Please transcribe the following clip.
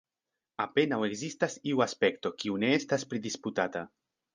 Apenaŭ ekzistas iu aspekto, kiu ne estas pridisputata.